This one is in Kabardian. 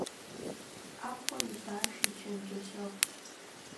Ӏэхъуэ и баш и чэнджэщэгъущ.